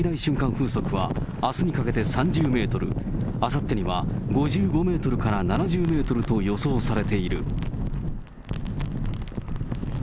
風速はあすにかけて３０メートル、あさってには５５メートルから７０メートルと予想されている。